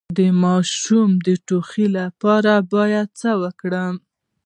د ماشوم د ټوخي لپاره باید څه وکړم؟